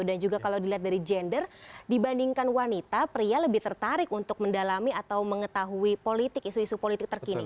dan juga kalau dilihat dari gender dibandingkan wanita pria lebih tertarik untuk mendalami atau mengetahui isu isu politik terkini